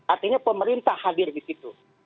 artinya pemerintah hadir di situ